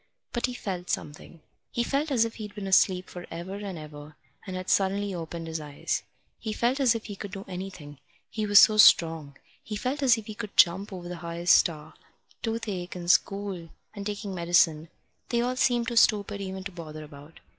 But he felt something. He felt as if he'd been asleep for ever and ever and had suddenly opened his eyes. He felt as if he could do anything, he was so strong. He felt as if he could jump over the highest star. Toothache, and school, and taking medicine they all seemed too stupid even to bother about.